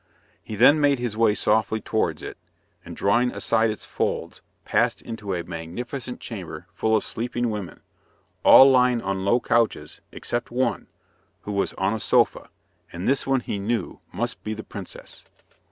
He then made his way softly towards it, and, drawing aside its folds, passed into a magnificent chamber full of sleeping women, all lying on low couches, except one, who was on a sofa; and this one, he knew, must be the princess.